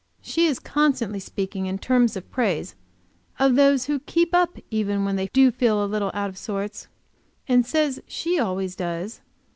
She is constantly speaking in terms of praise of those who keep up even when they do feel a little out of sorts, and says she always does.